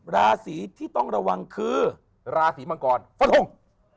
ราศีที่ต้องระวังคือราศีมังกรฟะลง